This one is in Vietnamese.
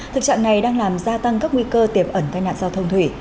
thực trạng này đang làm gia tăng các nguy cơ tiềm ẩn tai nạn giao thông thủy